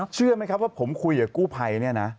เชื่อไหมครับว่าผมคุยกับกู้ภัย